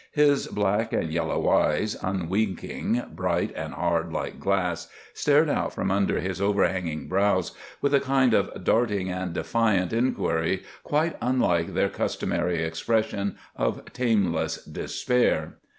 His black and yellow eyes, unwinking, bright and hard like glass, stared out from under his overhanging brows with a kind of darting and defiant inquiry quite unlike their customary expression of tameless despair.